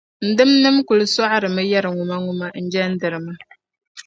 N dimnim’ kul sɔɣirimi yɛri ŋumaŋuma n-jɛndiri ma.